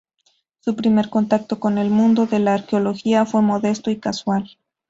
Su primer contacto con el mundo de la arqueología fue modesto y casual.